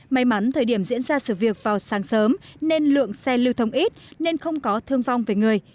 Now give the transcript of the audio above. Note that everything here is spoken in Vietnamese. may mắn thời điểm diễn ra sự việc vào sáng sớm nên lượng xe lưu thông ít nên không có thương vong về người